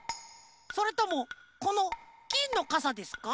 それともこのきんのかさですか？